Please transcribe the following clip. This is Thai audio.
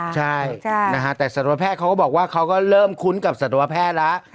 ใช่นะฮะแต่สัตวแพทย์เขาก็บอกว่าเขาก็เริ่มคุ้นกับสัตวแพทย์แล้ว